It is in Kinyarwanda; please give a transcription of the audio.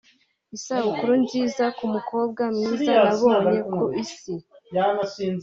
“Isabukuru nziza ku mukobwa mwiza nabonye ku Isi”